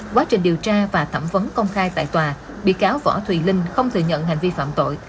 quá trình điều tra và thẩm vấn công khai tại tòa bị cáo võ thùy linh không thừa nhận hành vi phạm tội